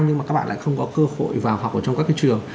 nhưng mà các bạn lại không có cơ hội vào học ở trong các trường